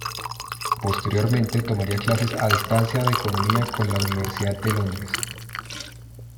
Posteriormente tomaría clases a distancia de economía con la Universidad de Londres.